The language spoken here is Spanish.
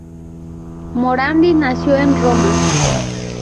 Morandi nació en Roma.